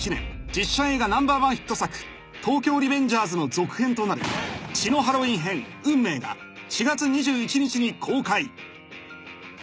実写映画№１ヒット作『東京リベンジャーズ』の続編となる『血のハロウィン編運命』が４月２１日に公開］